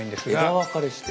枝分かれして。